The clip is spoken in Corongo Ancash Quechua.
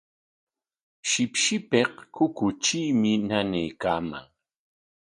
Shipshipik kukutriimi nanaykaaman.